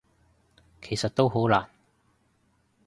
其實都好難